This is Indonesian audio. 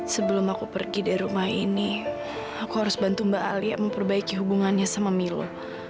sebelum aku pergi dari rumah ini aku harus bantu mbak alia memperbaiki hubungannya sama milu